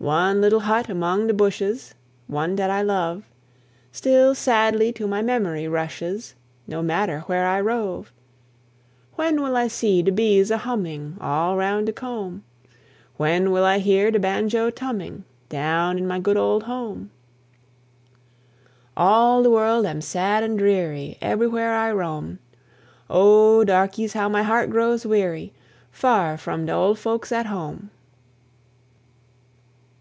One little hut among de bushes, One dat I love, Still sadly to my memory rushes, No matter where I rove. When will I see de bees a humming All round de comb? When will I hear de banjo tumming, Down in my good old home? All de world am sad and dreary, Eberywhere I roam; Oh, darkeys, how my heart grows weary, Far from de old folks at home!